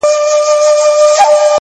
کله شات کله شکري پيدا کيږي،